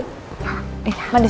eh mandi sana mandi